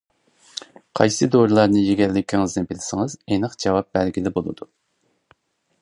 قايسى دورىلارنى يېگەنلىكىنى بىلسىڭىز ئېنىق جاۋاب بەرگىلى بولىدۇ.